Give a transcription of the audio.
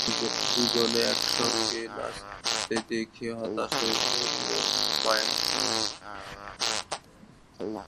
দু’জনে একসঙ্গে নাচতে দেখে হতাশ হয়ে পড়ল মায়া।